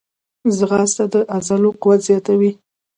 ځغاسته د عضلو قوت زیاتوي